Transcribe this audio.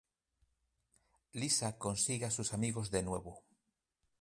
Lisa consigue a sus amigos de nuevo.